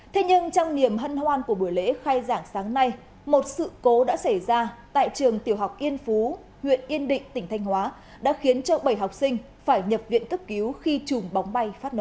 thế nhưng trong niềm hân hoan của buổi lễ khai giảng sáng nay một sự cố đã xảy ra tại trường tiểu học yên phú huyện yên định tỉnh thanh hóa đã khiến cho bảy học sinh phải nhập viện cấp cứu khi chùm bóng bay phát nổ